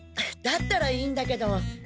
だったらいいんだけど。